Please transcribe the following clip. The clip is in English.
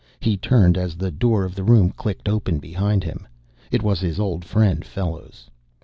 He turned as the door of the room clicked open behind him. It was his old friend Fellows.